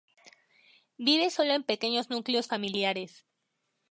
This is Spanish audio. Vive solo o en pequeños núcleos familiares.